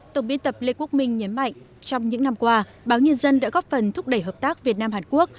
tổng biên tập lê quốc minh nhấn mạnh trong những năm qua báo nhân dân đã góp phần thúc đẩy hợp tác việt nam hàn quốc